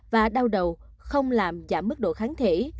và đau đầu không làm giảm mức độ kháng thể